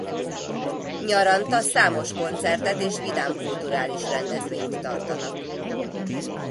Nyaranta számos koncertet és vidám kulturális rendezvényt tartanak.